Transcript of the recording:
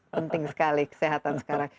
penting sekali kesehatan sekarang